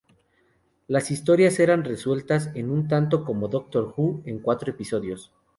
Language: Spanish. Las historias eran resueltas un tanto como en Doctor Who, en cuatro episodios.